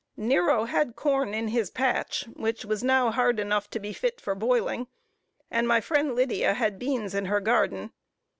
Nero had corn in his patch, which was now hard enough to be fit for boiling, and my friend Lydia had beans in her garden.